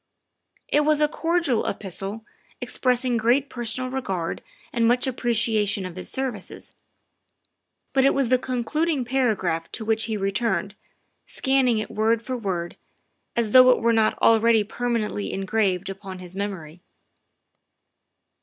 It was a cordial epistle, expressing great personal regard and much ap preciation of his services, but it was the concluding para graph to which he returned, scanning it word for word, as though it were not already permanently engraved upon his memory.